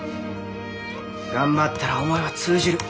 頑張ったら思いは通じる」。